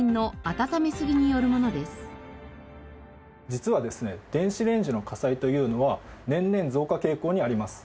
実はですね電子レンジの火災というのは年々増加傾向にあります。